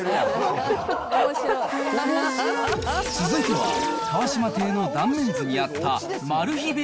続いては、川島邸の断面図にあったマル秘